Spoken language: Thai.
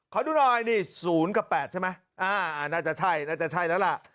ขอดูหน่อยนี่๐กับ๘ใช่ไหมน่าจะใช่